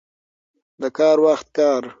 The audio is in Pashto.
د کار وخت کار.